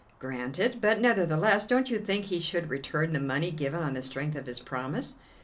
"Granted. But nevertheless, don't you think he should return the money given on the strength of his promise?"